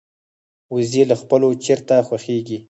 وزې له خپلو چرته خوښيږي